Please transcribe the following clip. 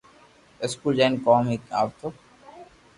اسڪول جائين ڪوم تي آوتو